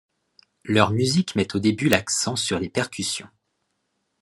Leur musique met au début l'accent sur les percussions.